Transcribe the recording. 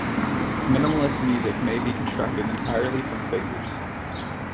Minimalist music may be constructed entirely from figures.